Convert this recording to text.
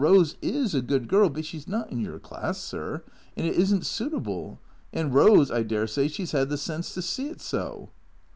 Rose is a good girl, but she 's not in your class, sir, and it is n't suitable. And Rose, I dessay, she 's 'ad the sense to see it so."